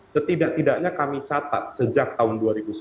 setidak tidaknya kami catat sejak tahun dua ribu sepuluh